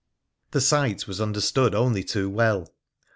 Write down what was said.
The sight was understood only too well.